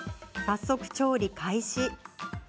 早速、調理開始。